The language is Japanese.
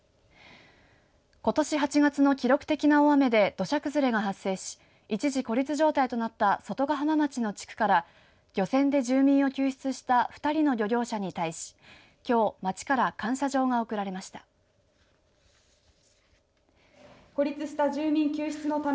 ことし８月の記録的な大雨で土砂崩れが発生し一時、孤立状態となった外ヶ浜町の地区から漁船で住民を救出した２人の救護者に対しきょう、町から感謝状が贈られました。